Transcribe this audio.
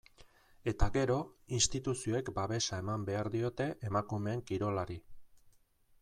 Eta, gero, instituzioek babesa eman behar diote emakumeen kirolari.